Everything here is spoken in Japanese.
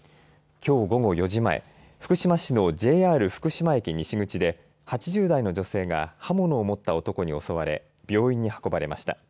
きょう午後４時前、福島市のＪＲ福島駅西口で、８０代の女性が刃物を持った男に襲われ、病院に運ばれました。